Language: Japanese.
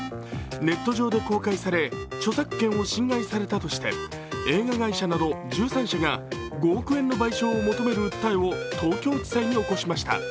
ネット上で公開され著作権を侵害されたとして映画会社など１３社が５億円の賠償を求める訴えを東京地裁に起こしました。